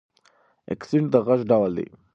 اکسنټ د غږ ډول دی.